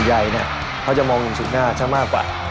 ส่วนใหญ่เนี่ยเขาจะมองอย่างสุดหน้าเท่ามากกว่า